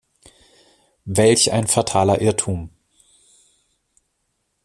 Welch ein fataler Irrtum!